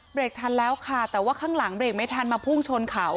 ทันแล้วค่ะแต่ว่าข้างหลังเบรกไม่ทันมาพุ่งชนเขา